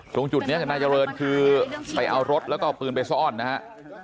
ตรงจุดนี้คือนายเจริญคือไปเอารถแล้วก็เอาปืนไปซ่อนนะฮะ